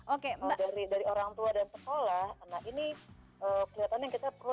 oke dari orang tua dan sekolah nah ini kelihatannya kita perlu